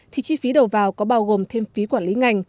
thì chi phí đầu vào có bao gồm thêm phí quản lý ngành